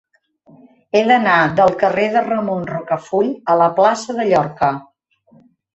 He d'anar del carrer de Ramon Rocafull a la plaça de Llorca.